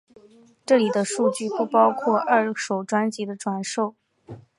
这里的数据不包含二手专辑的转售。